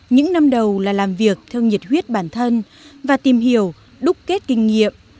những năm đầu là làm việc theo nhiệt huyết bản thân và tìm hiểu đúc kết kinh nghiệm